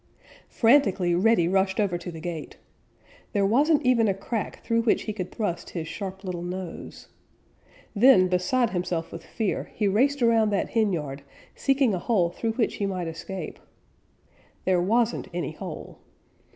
Frantically Reddy rushed over to the gate. There wasn't even a crack through which he could thrust his sharp little nose. Then, beside himself with fear, he raced around that henyard, seeking a hole through which he might escape. There wasn't any hole.